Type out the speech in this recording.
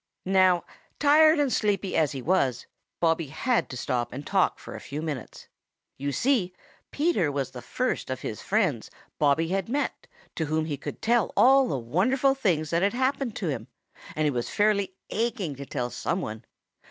Now, tired and sleepy as he was, Bobby had to stop and talk for a few minutes. You see, Peter was the first of his friends Bobby had met to whom he could tell all the wonderful things that had happened to him, and he was fairly aching to tell some one.